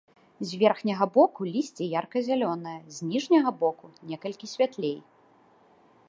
З верхняга боку лісце ярка-зялёнае, з ніжняга боку некалькі святлей.